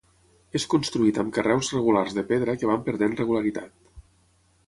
És construït amb carreus regulars de pedra que van perdent regularitat.